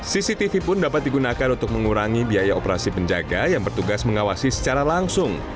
cctv pun dapat digunakan untuk mengurangi biaya operasi penjaga yang bertugas mengawasi secara langsung